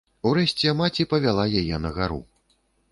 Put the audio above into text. Урэшце маці павяла яе на гару.